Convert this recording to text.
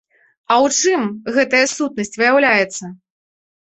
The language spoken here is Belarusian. А ў чым гэтая сутнасць выяўляецца?